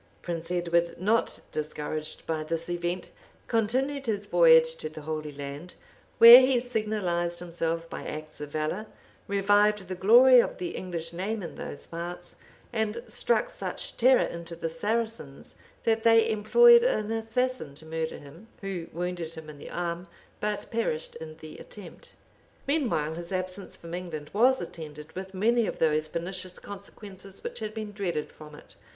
{1271.} Prince Edward, not discouraged by this event, continued his voyage to the Holy Land, where he signalized himself by acts of valor; revived the glory of the English name in those parts; and struck such terror into the Saracens, that they employed an assassin to murder him, who wounded him in the arm, but perished in the attempt.[*] Meanwhile his absence from England was attended with many of those pernicious consequences which had been dreaded from it.